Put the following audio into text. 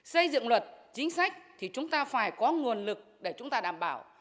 xây dựng luật chính sách thì chúng ta phải có nguồn lực để chúng ta đảm bảo